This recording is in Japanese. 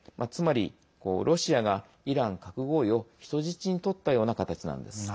つまり、ロシアがイラン核合意を人質にとったような形なんです。